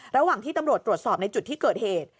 ระหว่างที่ตำรวจตรวจสอบในจุดที่เกิดเหตุ